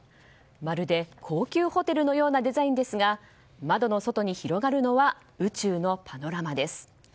まるで高級ホテルのようなデザインですが窓の外に広がるのは宇宙のパノラマです。